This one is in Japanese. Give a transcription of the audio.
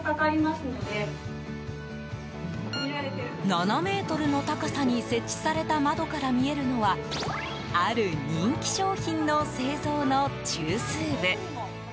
７ｍの高さに設置された窓から見えるのはある人気商品の製造の中枢部。